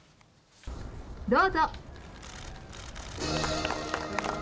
どうぞ。